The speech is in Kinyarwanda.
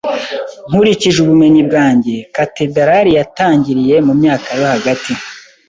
Nkurikije ubumenyi bwanjye, katedrali yatangiriye mu myaka yo hagati.